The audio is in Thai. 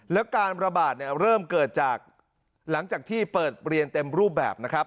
และการระบาดเริ่มเกิดหลังจากที่เปิดเรียนเต็มรูปแบบ